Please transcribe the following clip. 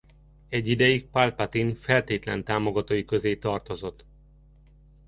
Egy ideig Palpatine feltétlen támogatói közé tartozott.